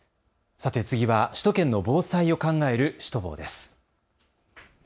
さて次は首都圏の防災を考えるシュトボーです。